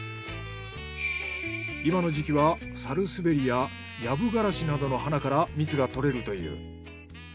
今の時期はサルスベリやヤブガラシなどの花から蜜が採れるという。